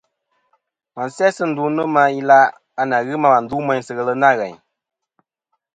À, wa n-se ndu nô mɨ ilaʼ a nà ghɨ ma wà ndu meyn sɨ ghelɨ nâ ghèyn.